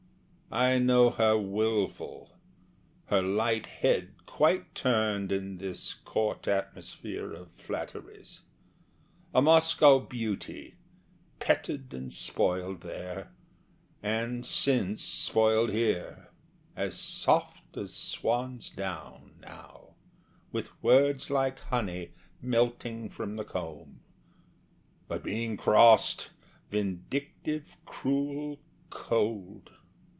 I know her wilful her light head quite turned In this court atmosphere of flatteries; A Moscow beauty, petted and spoiled there, And since spoiled here; as soft as swan's down now, With words like honey melting from the comb, But being crossed, vindictive, cruel, cold.